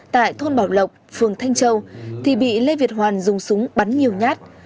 tại thôn bảo lộc phường thanh châu thì bị lê việt hoàn dùng súng bắn nhiều nhát